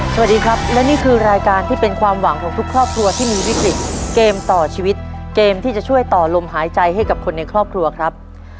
สวัสดีครับและนี่คือรายการที่เป็นความหวังของทุกครอบครัวที่มีวิกฤตเกมต่อชีวิตเกมที่จะช่วยต่อลมหายใจให้กับคนในครอบครัวครับ